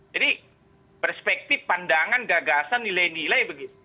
jadi perspektif pandangan gagasan nilai nilai begitu